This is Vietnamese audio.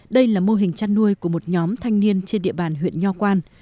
đây là mô hình chăn nuôi của một nhóm thanh niên trên địa bàn huyện nho quan